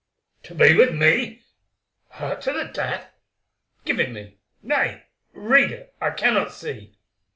"To be with me—hurt to the death! Give it me—nay, read it, I cannot see."